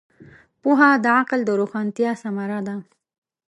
پوهه د عقل د روښانتیا ثمره ده.